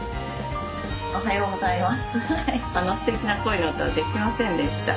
おはようございます。